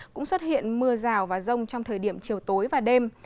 cũng xuất hiện mưa rào và rông trong thời điểm chiều tối và đêm